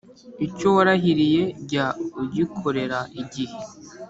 Icyo warahiriye jya ugikorera igihe,